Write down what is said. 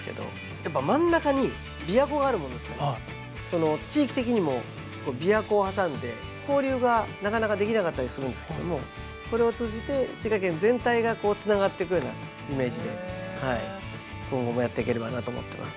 やっぱ真ん中にびわ湖があるもんですから地域的にもびわ湖を挟んで交流がなかなかできなかったりするんですけどもこれを通じて滋賀県全体がつながっていくようなイメージで今後もやっていければなと思ってます。